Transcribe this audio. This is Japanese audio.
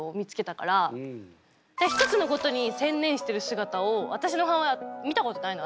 一つのことに専念してる姿を私の母親見たことないの。